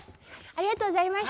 ありがとうございます。